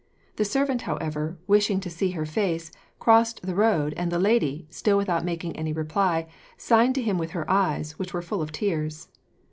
The servant, however, wishing to see her face, crossed the road, and the lady, still without making any reply, signed to him with her eyes, which were full of tears.